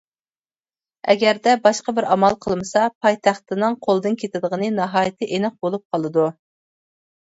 ئەگەردە باشقا بىر ئامال قىلمىسا پايتەختىنىڭ قولدىن كېتىدىغىنى ناھايىتى ئېنىق بولۇپ قالىدۇ.